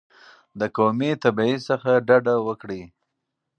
د قومي تبعیض څخه ډډه وکړئ.